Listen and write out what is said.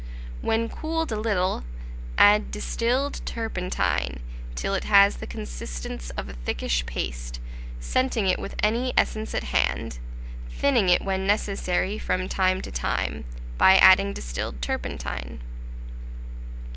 When cooled a little, add distilled turpentine till it has the consistence of a thickish paste, scenting it with any essence at hand, thinning it when necessary from time to time, by adding distilled turpentine.